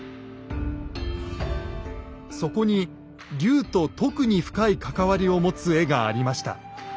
そこに龍と特に深い関わりを持つ絵がありました。